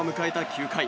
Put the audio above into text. ９回。